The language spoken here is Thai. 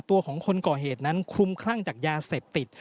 ตัวของคนก่อเหตุนั้นคลุมคลั่งจากยาเสพติด